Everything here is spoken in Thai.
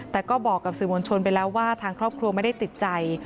แต่ก็บอกกับสื่อมวลชนไปแล้วว่าทางครอบครัวไม่ได้ติดใจ